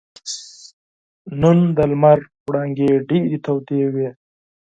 نن د لمر وړانګې ډېرې تودې وې.